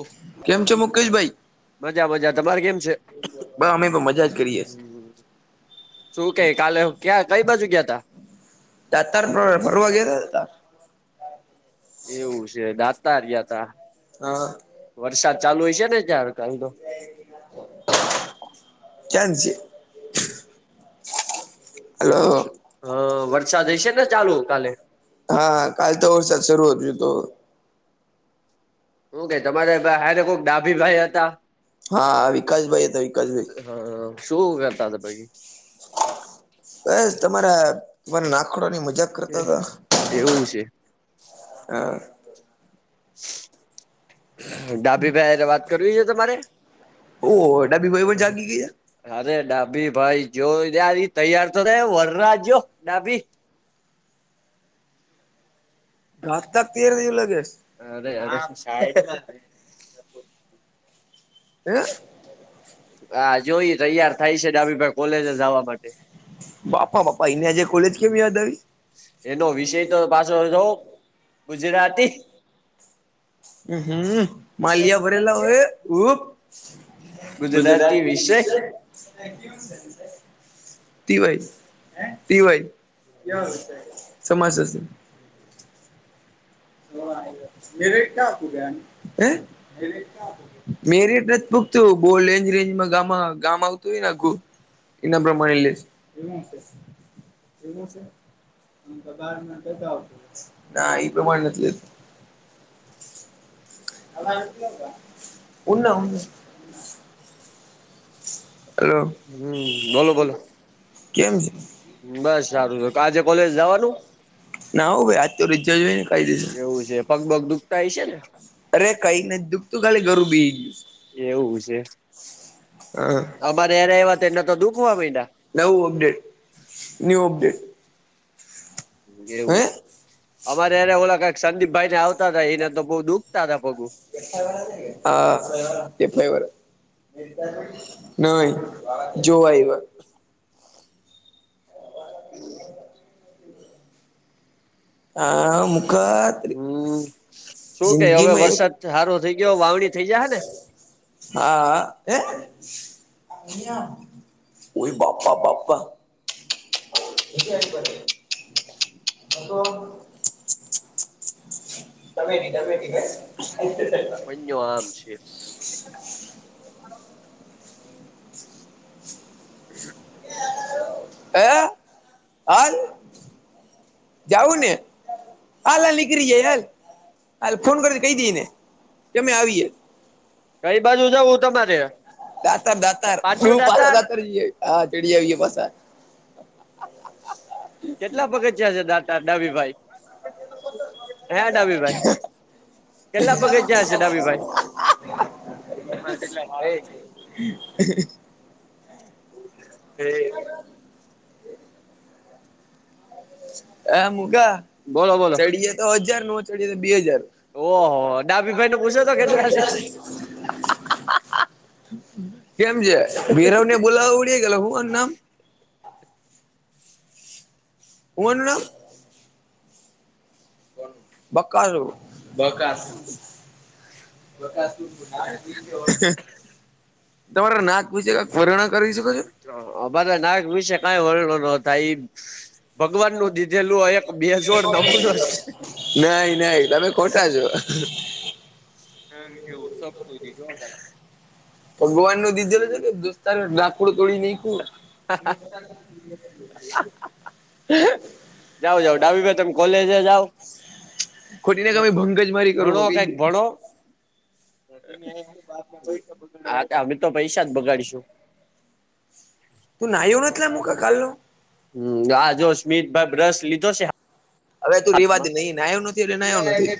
ઓ કેમ છો મુકેશભાઈ મજા મજા તમારે કેમ છે બસ અમે પણ મજા જ કરીએ છે. શું કે કાલે ક્યાં કઈ બાજુ ગયાં તા તા તર ફરવા ગયાં તા એવું છે દાંતાર ગયાતા હા વરસાદ ચાલુ હ ઈ છે ને તારે [unintelligible] [unintelligible] હલો હ હ વરસાદ હશે ને ચાલુ કાલે હા હા કાલે તો વરસાદ શરૂતું તો ઓકે તમારે હારે કોક ડાભી ભાઈ હતા હા હા વિકાસભાઈ હતા વિકાસભાઈ હા શું કરતા હતા પછ બસ તમારારા નાખડની મજાક કરતા હતા એવું છે [unintelligible] ડાભી ભાઈ વાત કરવી છે તમારે ઓહ ડાબીભાઈ પણ જાગી ગયા અરે ડાભી ભાઈ જો તારી તૈયાર તો થાય વરરાજ જો ડાભી ઘાત તા તરું લગે છે. [unintelligible] [unintelligible] હા જો ઈ તૈયાર થાય છે ડાભીભાઈ કોલેજ જવા માટે બાપા બાપા એને આજે કોલેજ કેમ યાદ આવી? એનો વિષય તો પાછો જો હમ માલિયા ભરેલા હોય મુજ દ ગુજરાતી વિષય [unintelligible] ટાવાય ટીવાઈ સમાસ છે હ હિરેા કુડ હ હિરે [unintelligible] મેરી એટલે જ પૂખતું બહ રેન્જ રેન્જમાં ગામ ગામ આવતું હોયનેખું એના પ્રમાણે લ એવું છે એવું આ તો બારતા આવ ના એ પ્રમા [unintelligible] ઉના ઉના હલો હમ બોલો બોલો કેમ છે? બસ સારું છે આજે કોલેજ જવાનું? ના હો ભાઈ આજ તો [unintelligible] કહી દીધું પગબગ દુખતા હયી સે ને અરે કઈ નથી દુઃખતું ખાલી ગરું બેહી ગયું છે એવું છે હા અમારે હારે આવ્યા એટલે તો દુખવા મંદયા નવું અપડેટ ન્યું અપડેટ હે એવું છે અમારે એને ઓલા કાઈક સંદીપ ભાઈ ને આવતા હતા એને તો બઉ દુખતા હતા પગ હા [unintelligible] નઈ જોવા આયવા હમ હા મુકત હમ શું કે હવે એક વરસાદ હારો થઇ ગયો વાવણી થઇ જાહેને હા હ હ ઓય બાપા બાપા [unintelligible] તો તબેટી તબેટી [unintelligible] જો આમ છે. [inaudible] એ હાલ જઉું ને હાલ આ નીકળી જાઈ હાલ હાલે ફોન કર કઈ દઈ ને કે અમે આવીએ કઈ બાજુ જવું તમારે? દાતર દાતાર પાછું [unintelligible] પાછા દાતાર દાતર હા ચડી આવ્યે પાછા કેટલા પગથયા છે દાતાર ડાભીભાઈ હા ડાભીભાઈ કેટલા પગથીયાશે ડાભી ભાઈ [unintelligible] [inaudible] [inaudible] આ મુગા બોલો બોલો ચડીએ તો હજાર નો ચડીએે તો બે હજાર. ઓહો ડાભીભાઈ ને પૂછો તો કેટલા છે [inaudible] કેમ છે? ભીરવ ને બોલાવું [unintelligible] હું એન નામ? હું ન બકાલું, બકાસું. તમારા નાક વિશે કાક વર્ણા કરી શકો છો? અમારા નાક વિશે કઈ વર્ણન ન થાય ઈ ભગવાન નું દીધેલું એક બેજોડ નમૂનો છે નહીં-નહીં તમે ખોટા છો. [inaudible] ભગવાન નો દીધેલું છે કે દોસ્તાર [unintelligible] તોડી નાયખું? [inaudible] જાવ-જાવ ડાબી ભાઈ તમે કોલેજે જાઓ. ખોટી ને હે તમે ભંગ જ મારી ભણો કરું કહી કાંઈક દે ભણો. હા તે અમે તો પૈસા જ બગાડીશું. તું નાહ્યો નથ મુકલો કાલનો? હમ્મ. આ જો સ્મિતભાઈ બ્રશ લીધો સે હા હવે તું રેવા દે હાથમાં. નહી નાયો નથી એટલે નાયો નથી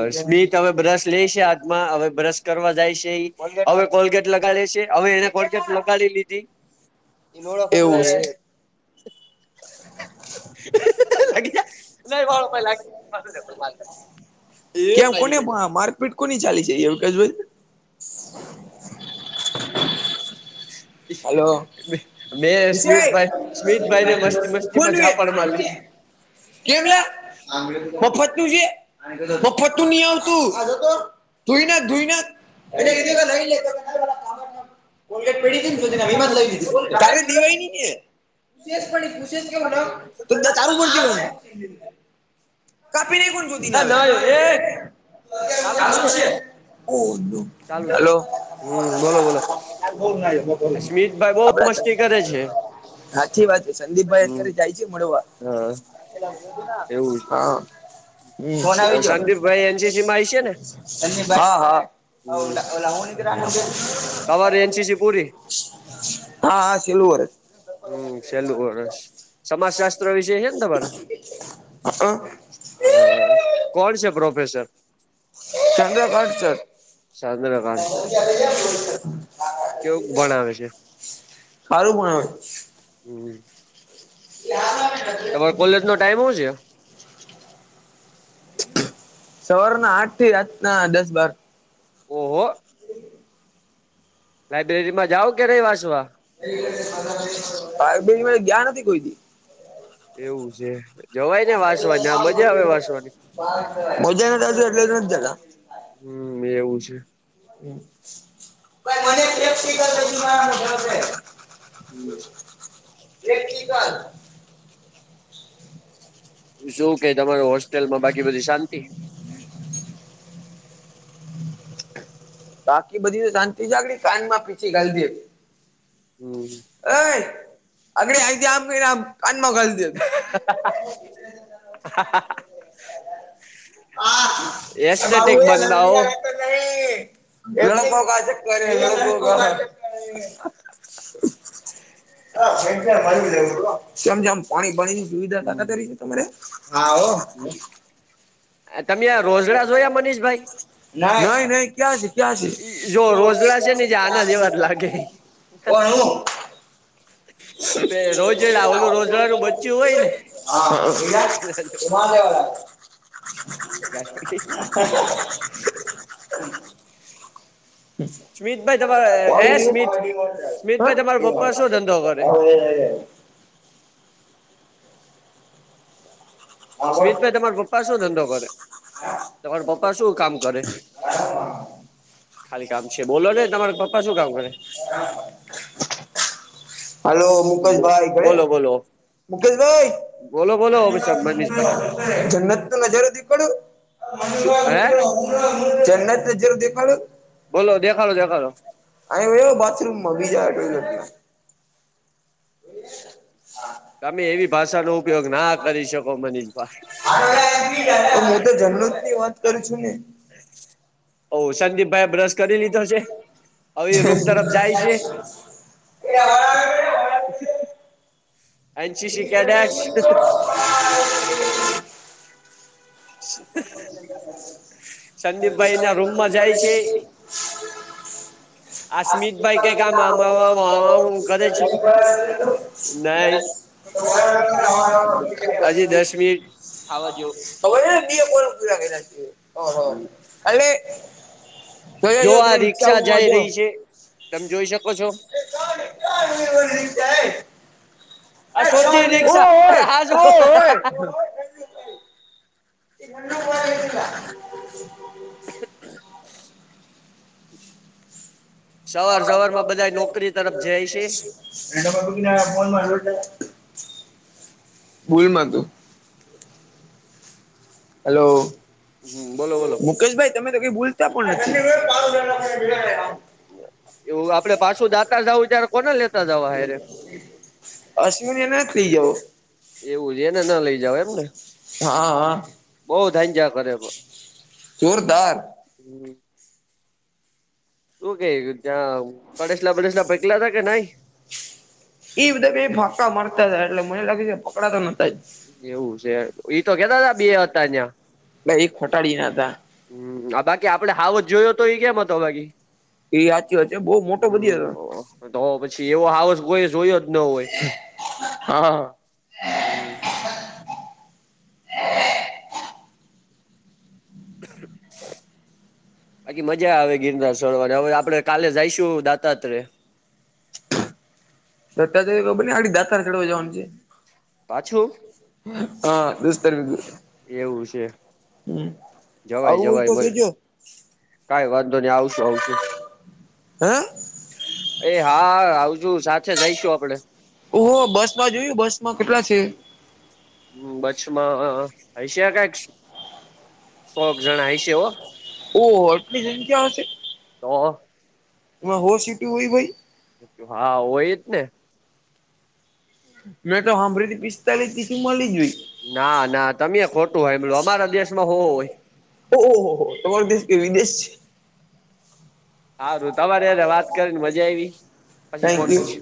અહ સ્મિત હવે બ્રશ લેય સે હાથમાં, હવે બ્રશ કરવા જાય સે ઈ, હવે કોલગેટ લગાડે સે. હવે એને કોલગેટ લગાડી લીધી. એવું છે [inaudible] [inaudible] એ કેમ મારી કોને મને મા મારપીટ કોની ચાલી છે, એવું કેઈ જોઈ. હલો [inaudible] મેં વિષય સ્મિતભાઈ સ્મિતભાઈને મસ્તી મસ્તીમાં કોનું એ પણ મારી. કેમ લે મફતું છે મફતું નહી આવતું. તને તઈ એ એ લ લ [unintelligible] કોલગેટ પેડીીને વિમાંત લઈ લીધી તારી દિવાનીને [unintelligible] શેસ પણ કુશેસ કેવું ના તધા ચાલુ પડતી કોને [unintelligible] કાપીનેખ જદી ના આવે [unintelligible] ચાલુ જ છે. હું ચાલુ છે હલો. હમ બોલો બોલો, આ બોલ ના યો બોલ સ્મિતભાઈ બહ આપડા મસ્તી કરે છે. સાચી વાત છે સંદીપભાઈ અત્યારે જાય છે મળવા. હમ. એવું હા હ ફન આવીજ [unintelligible] સંદીપભાઈ એનસીસી માં આવીશે ને હમ હા હા. તમારે એન સી સી પૂરી? હા હા છેલ્લું વર્ષ. હમ સેલું સમાજ શાસ્ત્ર વિશે છે ને તમારે? હ [unintelligible] હ કોણ છે પ્રોફેસર? ચંદ્રકાઢ છે. ચંદ્રકાંત સર મમ્મ આપ કેવું ભણાવે છે [unintelligible] સારું ભણાવે. હમ. લાર [unintelligible] તમારે કોલેજ નો ટાઈમ હોવ છે? સવારના આઠ થી રાતના દસ બાર ઓહો. લાઈબ્રેરી માં જાઓ કરે વાંચવા. લાયબ્રેરી માં ગયા નથી કોઈ બી. એવું છે જવાય ને વાસવાની આ મજા આવે વાસવાની. મજા ના જ એટલે નથ જાતા. હમ્મ, એવું છે. હમ્મ. હમ્મ. પ્રેક્ટીકલ શું કે તમાર હોસ્ટેલમાં બાકી બધી શાંતિ? બાકી બધી શાંતિ જાગડી કાન માં પીછી ગાલી દે. હમ્મ. અય અગડી આઇતી આમ કરી આમ કાના માં ગલ એસ્ટટીક બંદા ઓ. તો મેં. [unintelligible] સમ જેમ પાણી ભણીની સુવિધા કાકા રહી તમરે? તમે આ રોઝડા જોયા મનીષભાઈ ના નઈ નઈ ક્યાં છે. જો રોઝડા છે ને જે આના જેવા જ લાગે ઓણ હો. રોજડા ઓલું રોજડાનું બચ્ચું હોય ને [unintelligible] ગાય હોદી. હમ્મ સ્મિતભાઈ તમારે હે પોણી સ્મિત ગયું હૈ સ્મિતભાઈ તમારા પપ્પા શું ધંધો કરે હ હા બોલ સ્મિતભાઈ તમારા પપ્પા શું ધંધો કરે? તમારા પપ્પા શું કામ કરે, ખાલી કામ છે બોલો ને તમારા પપ્પા શું કામ કરે [inaudible] હલો મુકેશ ભાઈ કડ બોલો બોલો મુકેશભાઈ બોલો બોલો મનીષભાઈ [inaudible] જન્નત નજારૂ દેખાડું શું હે [unintelligible] જન્નત નજારૂ દેખાડું બોલો દેખાલો દેખાલો અયા વિયાવો બાથરૂમ માં બીજા ટોયલેટમાં તમે એવી હા ભાષાનો ઉપયોગ ના કરી શકો મનીષભાઈ [unintelligible] હું તો જન્નત ની વાત કરુ છું ને [inaudible] ઓ સંદીપભાઈ બ્રશ કરી લીધો છે, હવે એ રૂમ તરફ જાય છે. એ [unintelligible] [inaudible] એનસીસી [inaudible] કેડેટ તો [inaudible] સંદીપભાઈ [inaudible] એના રૂમમાં જાય છે [inaudible] સ્મિતભાઈ કઈક આમ આમ આ આમ આમ કરે છે [unintelligible] નહી [unintelligible] હજી દસ મિનિટ [inaudible] ઈએ કોણે પુરા કર્યા છે [unintelligible] અલે જો આ રિકષા જાઈ જો રહી છે તમે જોઈ શકો છો [unintelligible] આ [unintelligible] સોતી રિક્ષા ઓ એ આ હોય જો ઓ હોય [unintelligible] [inaudible] સવાર સવાર માં બધાએ નોકરી તરફ જાય છે. [unintelligible] ભૂલમાં તું હલો હમ બોલો બોલો મુકેશભાઈ તમે તો કઈ ભૂલતા પણ નથી. એવું આપડે પાછું દાતાર જવું ત્યારે કોના લેતા જવા હ હરિયે અશ્વિન એને થઈ જવ એવું છે ને એણે ના લઈ જાવય એમને હા હા બોઓ જજ્યા કરે પ જોરદાર હમ તું કે ત્યાં કડેશલા બલેસલા પેકલા હતા કે ન એ બધા ફાકા માતા જાય એટલે મને લાગે છે પકડાતા નતા એવું છે તો કેતા હતા બે હતા અહિયાં ભ એ ખોટાડી ના હતા. હમ બાકી આપડે હાવ જ જોયો તો એ કેમ હતો બાકી એ વાચ વાત છે બહુ મોટો બધી હતો હમ તો પછી એવો હાવસ કોઈ જોયો જ ન હોય. હા હમ હમ બાકી મજા આવે ગિરનાર સોડવાને હવે આપડણે કાલે જઈશું દાતાત્રે રતાને આડી દાકાર ચડવા જવાનું છે. પાછું હા દસ્તાર એવું છે જવાય આવું હોય જવાય તો મ કેજો કઈ વાંધો નહી આવશું આવશું હે એ હા આવજુ સાથે જઈશું આપડે ઓ બસ માં જોયું બસમાં કેટલા છે. બચ્છમાં હૈશે કક સોગ જણા હૈશે હો ઓ આટલી સંખ્યા હશે તો એમાં હો સીટું હોય ભાઈ. હા હોય જ ને મેં તો સાંભળથી પિસ્તાલીસ પ મળી જોઈ ના ના તમે ખોટું હોય એમલ અમારા દેશમાં હોવ હોય. ઓહહ હો તમારો દેશ કે વિદેશ છે. હારું તમારે યને વાત કરીને મજા આવી પછી થેન્ક ફોન યુ કરીશ.